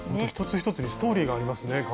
一つ一つにストーリーがありますね。